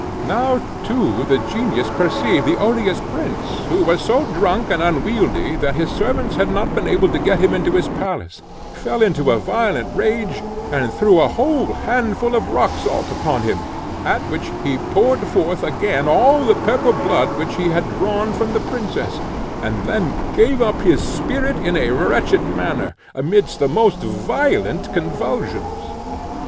Now, too, the genius perceived the odious prince, who was so drunk and unwieldly that his servants had not been able to get him into his palace, fell into a violent rage, and threw a whole handful of rock salt upon him, at which he poured forth again all the purple blood which he had drawn from the princess, and then gave up his spirit in a wretched manner, amidst the most violent convulsions.